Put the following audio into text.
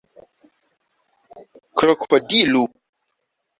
krokodilu